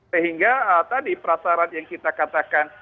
sehingga tadi prasarat yang kita katakan